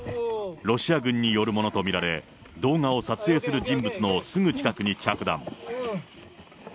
ロシア軍によるものと見られ、動画を撮影する人物のすぐ近くに着弾。